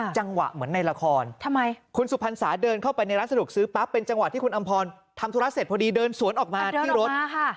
จังหวะเหมือนในละครทำไมคุณสุพรรณสาเดินเข้าไปในร้านสะดวกซื้อปั๊บเป็นจังหวะที่คุณอำพรทำธุระเสร็จพอดีเดินสวนออกมาที่รถ